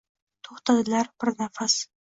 To’xtadilar, bir nafas